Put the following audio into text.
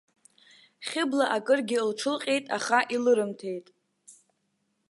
Хьыбла акыргьы лҽылҟьеит, аха илырымҭеит.